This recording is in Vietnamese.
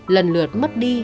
lần lượt mất đi